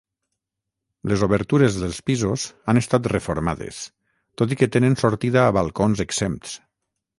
Les obertures dels pisos han estat reformades, tot i que tenen sortida a balcons exempts.